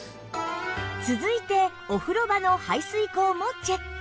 続いてお風呂場の排水口もチェック